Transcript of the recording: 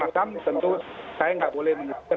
saya gak boleh menyebutkan